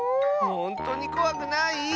ほんとにこわくない？